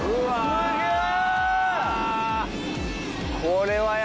すげえ。